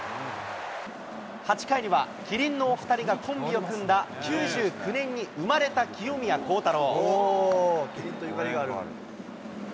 ８回には、麒麟のお２人がコンビを組んだ９９年に生まれた清宮幸太郎。